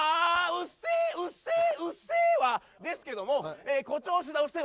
うっせぇうっせぇうっせぇわですけども誇張しすぎた「うっせぇわ」